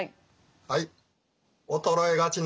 はい。